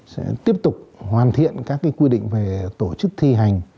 sẽ tiếp tục hoàn thiện các quy định về tổ chức thi hành